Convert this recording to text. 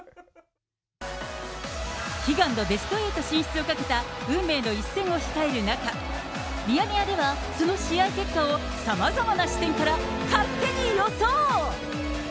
悲願のベスト８進出をかけた運命の一戦を控える中、ミヤネ屋ではその試合結果を、さまざまな視点から勝手に予想。